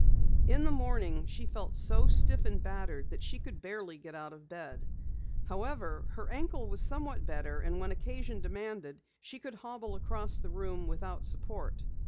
In the morning she felt so stiff and battered that she could barely get out of bed. However, her ankle was somewhat better and when occasion demanded, she could hobble across the room without support.